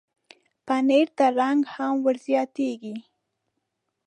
پنېر ته رنګ هم ورزیاتېږي.